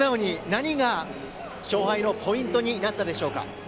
何が勝敗のポイントになったでしょうか？